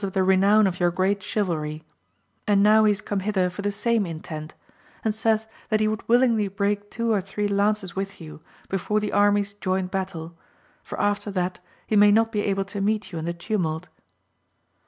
179 the renown of your great chivalry : and now he is come hither for the same intent, and saith that he would willingly break two or three lances with you, before the armies join battle, for after that he may not be able to meet you in the tumult.